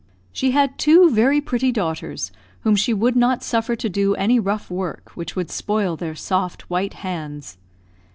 She had two very pretty daughters, whom she would not suffer to do any rough work which would spoil their soft white hands.